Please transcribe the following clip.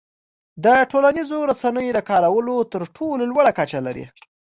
د ټولنیزو رسنیو د کارولو تر ټولو لوړه کچه لري.